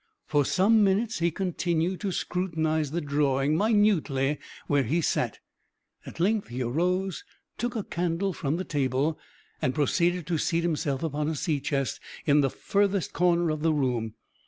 For some minutes he continued to scrutinize the drawing minutely where he sat. At length he arose, took a candle from the table, and proceeded to seat himself upon a sea chest in the furthest corner of the room.